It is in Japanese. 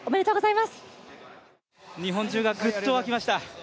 日本中がぐっと沸きました。